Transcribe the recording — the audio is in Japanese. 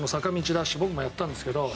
ダッシュ僕もやったんですけど